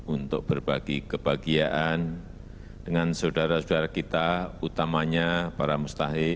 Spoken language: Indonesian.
untuk berbagi kebahagiaan dengan saudara saudara kita utamanya para mustahik